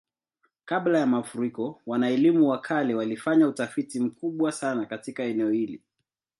Kabla ya mafuriko, wana-elimu wa kale walifanya utafiti mkubwa sana katika eneo hili.